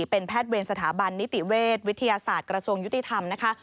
เป็นแพทย์เวรสถาบันนิติเวชวิทยาศาสตร์กระทรวงยุติธรรมนะคะ